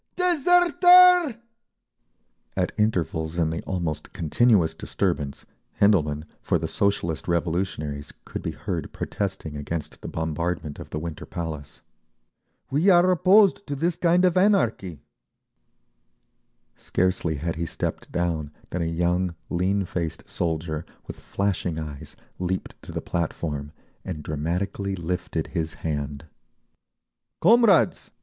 "Deserter!" At intervals in the almost continuous disturbance Hendelman, for the Socialist Revolutionaries, could be heard protesting against the bombardment of the Winter Palace…. "We are opposed to this kind of anarchy…." Scarcely had he stepped down than a young, lean faced soldier, with flashing eyes, leaped to the platform, and dramatically lifted his hand: "Comrades!"